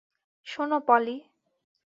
শোনো, পলি।